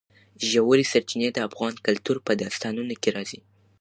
ژورې سرچینې د افغان کلتور په داستانونو کې راځي.